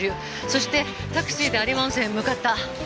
そしてタクシーで有馬温泉へ向かった。